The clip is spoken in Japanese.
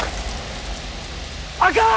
あかん！